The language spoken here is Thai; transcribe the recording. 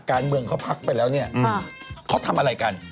การเมืองเขาพักไปแล้วเนี่ยเขาทำอะไรกัน